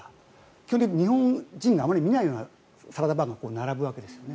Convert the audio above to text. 基本的に日本人があまり見ないようなサラダバーが並ぶわけですね。